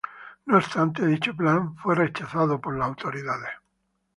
No obstante, dicho plan fue rechazado por las autoridades.